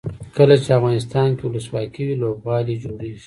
کله چې افغانستان کې ولسواکي وي لوبغالي جوړیږي.